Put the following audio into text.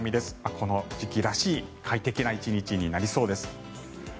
この時期らしい快適な１日になりそうです。